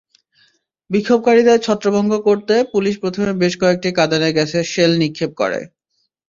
বিক্ষোভকারীদের ছত্রভঙ্গ করতে পুলিশ প্রথমে বেশ কয়েকটি কাঁদানে গ্যাসের শেল নিক্ষেপ করে।